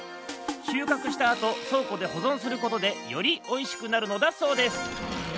しゅうかくしたあとそうこでほぞんすることでよりおいしくなるのだそうです。